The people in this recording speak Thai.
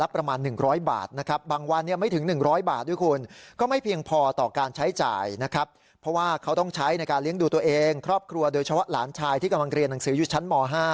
เป็นหนังสืออยู่ชั้นม๕